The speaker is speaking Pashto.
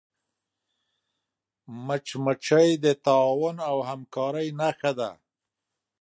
مچمچۍ د تعاون او همکاری نښه ده